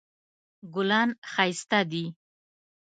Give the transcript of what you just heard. ګلان ښایسته دي